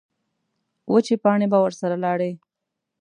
وچې پاڼې به ورسره لاړې.